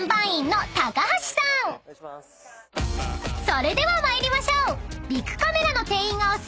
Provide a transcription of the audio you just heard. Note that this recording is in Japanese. ［それでは参りましょう］